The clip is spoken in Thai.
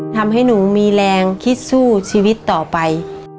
ทำให้หนูมีแรงคิดสู้ชีวิตต่อไป